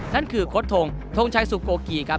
นั่นคือโค้ดทงทงชัยสุโกกีครับ